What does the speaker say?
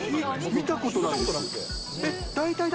見たことないです。